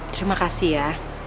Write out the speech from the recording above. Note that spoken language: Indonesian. terima kasih ya